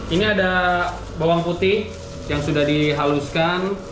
ini ada bawang putih yang sudah dihaluskan